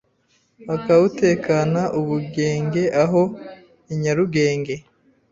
Akawutekana ubugenge aho i Nyarugenge